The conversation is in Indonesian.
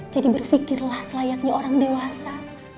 jadi berfikirlah selayaknya orang dewasa